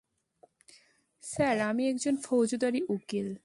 Sir, আমি একজন ফৌজদারী উকিল।